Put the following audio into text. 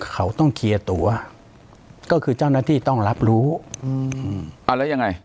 เขาต้องเคลียร์ตัวก็คือเจ้าหน้าที่ต้องรับรู้อืมอ่าแล้วยังไง